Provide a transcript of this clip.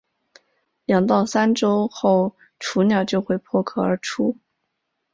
两到三周后雏鸟就会破壳而出。